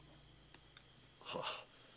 はっ。